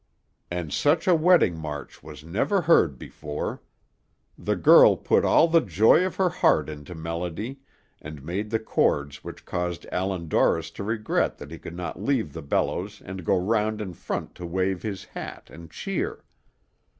And such a wedding march was never heard before. The girl put all the joy of her heart into melody, and made chords which caused Allan Dorris to regret that he could not leave the bellows and go round in front to wave his hat and cheer.